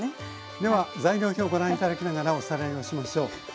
では材料表をご覧頂きながらおさらいをしましょう。